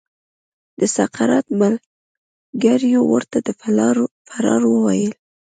د سقراط ملګریو ورته د فرار وویل.